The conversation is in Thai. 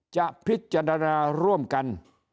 จะพิจารณาร่วมกัน